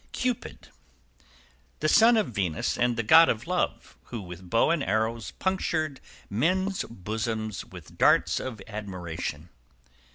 =CUPID. The son of Venus and the God of Love, who with bow and arrows punctured men's bosoms with the darts of admiration.